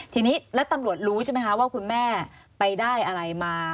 ทีนี้แล้วตำรวจรู้ใช่ไหมคะว่าคุณแม่ไปได้อะไรมา